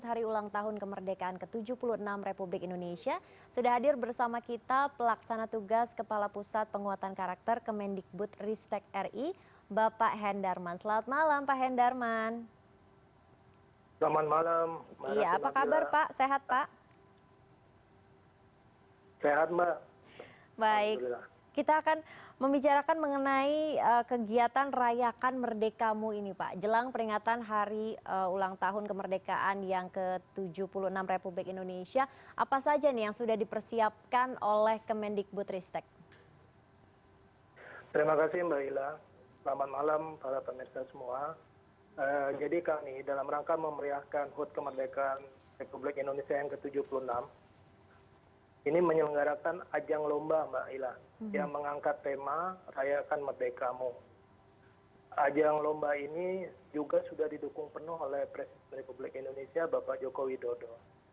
ajang lomba ini juga sudah didukung penuh oleh presiden republik indonesia bapak jokowi dodo